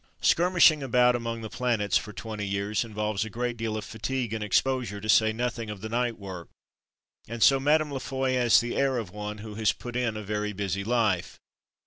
Skirmishing about among the planets for twenty years involves a great deal of fatigue and exposure, to say nothing of the night work, and so Mme. La Foy has the air of one who has put in a very busy life.